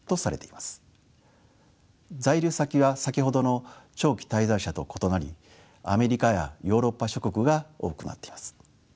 在留先は先ほどの長期滞在者と異なりアメリカやヨーロッパ諸国が多くなっています。